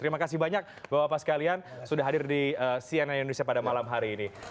terima kasih banyak bapak bapak sekalian sudah hadir di cnn indonesia pada malam hari ini